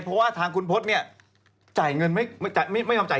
จ่ายเงินไม่ออกจ่ายเงินเท่าก็ประดับ